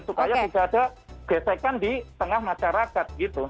supaya tidak ada gesekan di tengah masyarakat gitu